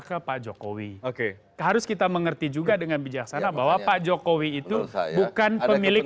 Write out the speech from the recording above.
ke pak jokowi oke harus kita mengerti juga dengan bijaksana bahwa pak jokowi itu bukan pemilik